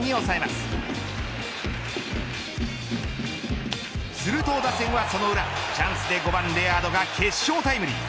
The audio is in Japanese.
すると打線は、その裏チャンスで５番レアードが決勝タイムリー。